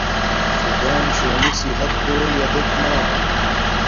خدݳن شݸنݵ صحت دݸ ݵݳ دݵک مݳمݸ.